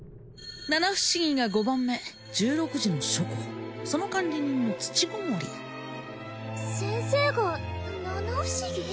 七不思議が五番目１６時の書庫その管理人の土籠先生が七不思議？